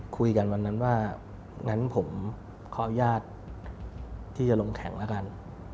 คุยกันวันนั้นว่างั้นผมขออนุญาตที่จะลงแข่งแล้วกัน